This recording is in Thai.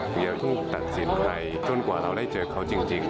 อยากต้องตัดสินไปจนกว่าเราได้เจอเขาจริง